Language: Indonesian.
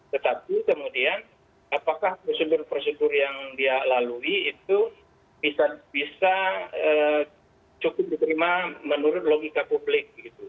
tetapi kemudian apakah prosedur prosedur yang dia lalui itu bisa cukup diterima menurut logika publik